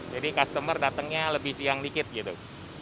jadi customer datangnya lebih siang dikit gitu